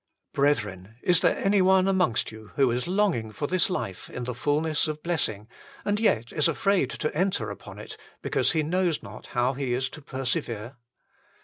Brethren, is there anyone amongst you who is longing for this life in the fulness of blessing, and yet is afraid to enter upon it, because he knows not how he is to persevere